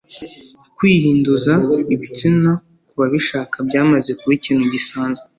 kwihinduza ibitsina ku babishaka byamaze kuba ikintu gisanzwe